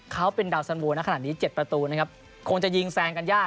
เขาเป็นดาวสันวูนและขนาดนี้๗ประตูคงจะยิงแซงกันยาก